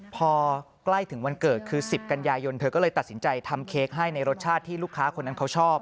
พอใกล้ถึงวันเกิดคือ๑๐กันยายนเธอก็เลยตัดสินใจทำเค้กให้ในรสชาติที่ลูกค้าคนนั้นเขาชอบ